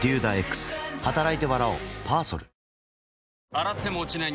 洗っても落ちない